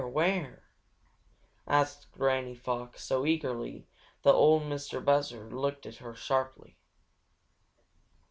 "Where? Where?" asked Granny Fox, so eagerly that Ol' Mistah Buzzard looked at her sharply.